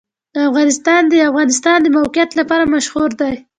افغانستان د د افغانستان د موقعیت لپاره مشهور دی.